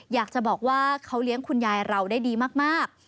อยากจะบอกว่าเขาเลี้ยงคุณยายเราได้ดีมาก